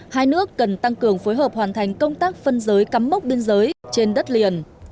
hai nước cần tăng cường phối hợp hoàn thành công tác phân giới cắm mốc biên giới trên đất liền